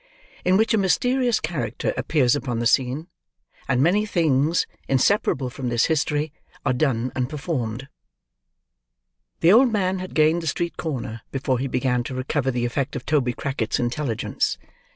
IN WHICH A MYSTERIOUS CHARACTER APPEARS UPON THE SCENE; AND MANY THINGS, INSEPARABLE FROM THIS HISTORY, ARE DONE AND PERFORMED The old man had gained the street corner, before he began to recover the effect of Toby Crackit's intelligence.